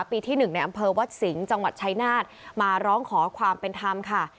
ที่๑ในอำเภอวัดสิงห์จังหวัดชายนาฏมาร้องขอความเป็นธรรมค่ะ